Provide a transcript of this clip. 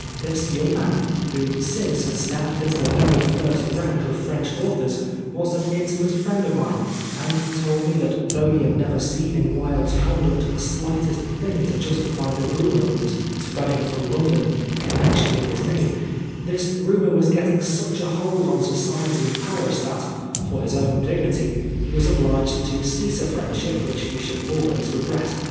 This young man, who since has stepped into the very first rank of French authors, was an intimate friend of mine, and he told me that though he had never seen in Wilde's conduct the slightest thing to justify the rumour that was spread 1*3 8 Oscar Wilde ing from London in connection with his name, this rumour was getting such a hold on society in Paris that, for his own dignity, he was obliged to cease a friendship which he should always regret.